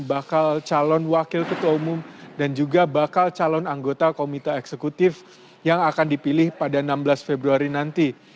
bakal calon wakil ketua umum dan juga bakal calon anggota komite eksekutif yang akan dipilih pada enam belas februari nanti